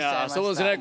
そうですね。